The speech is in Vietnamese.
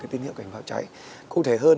cái tín hiệu cảnh báo cháy cụ thể hơn